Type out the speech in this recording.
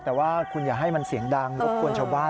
แต่ว่าคุณอย่าให้มันเสียงดังรบกวนชาวบ้าน